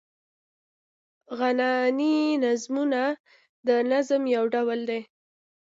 غنايي نظمونه د نظم یو ډول دﺉ.